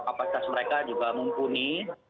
kapasitas mereka juga mumpuni